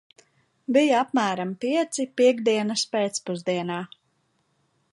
Bija apmēram pieci piektdienas pēcpusdienā.